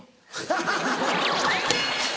ハハハハ！